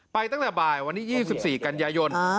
ตั้งแต่บ่ายวันที่๒๔กันยายน